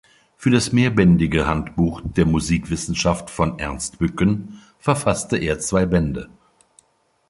Für das mehrbändige Handbuch der Musikwissenschaft von Ernst Bücken verfasste er zwei Bände.